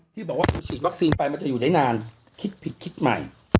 ที่บอกว่าฉีดไปมันจะหยุดไหนนานคิดผิดคิดใหม่